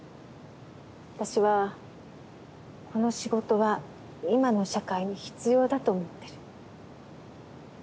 私はこの仕事は今の社会に必要だと思ってる。